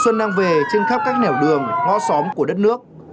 xuân đang về trên khắp các nẻo đường ngõ xóm của đất nước